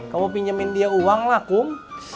kamu pinjamin dia uang lah kum